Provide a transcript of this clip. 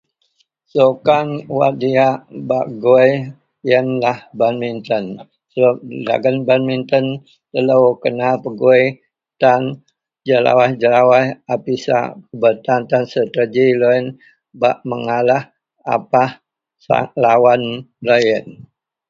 Sukan wak diyak bak gui iyenlah badminto sebab dagen badminton telo kena pegui tan jelawaih-jelawaih a pisak be tan strategi bak mengalah apah a lawen loyen iyen.